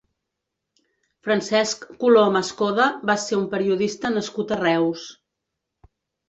Francesc Colom Escoda va ser un periodista nascut a Reus.